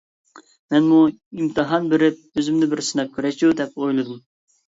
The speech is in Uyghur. مەنمۇ ئىمتىھان بېرىپ ئۆزۈمنى بىر سىناپ كۆرەيچۇ، دەپ ئويلىدىم.